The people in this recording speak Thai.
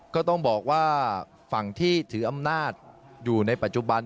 ก็ต้องบอกว่าฝั่งที่ถืออำนาจอยู่ในปัจจุบัน